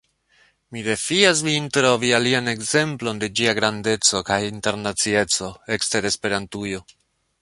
Mi defias vin trovi alian ekzemplon de ĝia grandeco kaj internacieco, ekster Esperantujo.